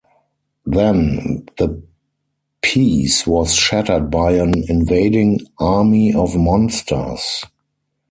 Then, the peace was shattered by an invading army of monsters.